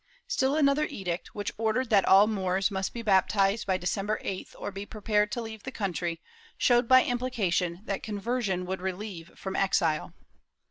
Still another edict, which ordered that all Moors must be baptized by December 8th, or be prepared to leave the country, showed by implication that conversion would relieve from exile.